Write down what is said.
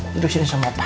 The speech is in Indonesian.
duduk sini sama opah